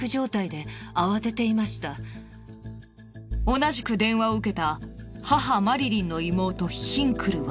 同じく電話を受けた母マリリンの妹ヒンクルは。